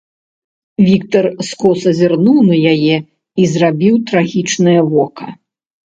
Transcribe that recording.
Віктар скоса зірнуў на яе і зрабіў трагічнае вока.